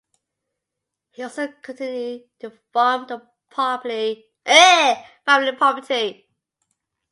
He also continued to farm the family property.